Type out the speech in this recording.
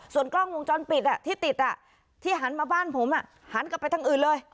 ส่วนกล้องวงจรปิดที่ติดที่หันมาบ้านผมหันกลับไปทางอื่นเลย